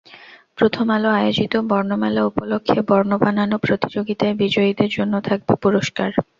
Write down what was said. প্রথম আলো আয়োজিত বর্ণমেলা উপলক্ষে বর্ণ বানানো প্রতিযোগিতায় বিজয়ীদের জন্য থাকবে পুরস্কার।